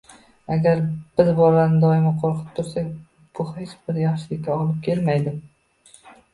Agar biz bolani doim qo‘rqitib tursak, bu hech bir yaxshilikka olib kelmaydi.